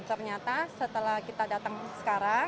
dan ternyata setelah kita datang sekarang